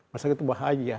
masyarakat itu bahagia